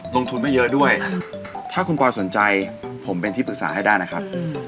ลงทุนไม่เยอะด้วยถ้าคุณปอยสนใจผมเป็นที่ปรึกษาให้ได้นะครับ